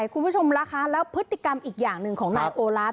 คุณผู้ชมล่ะคะแล้วพฤติกรรมอีกอย่างหนึ่งของนายโอลาฟ